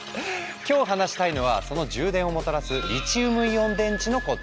今日話したいのはその充電をもたらす「リチウムイオン電池」のこと。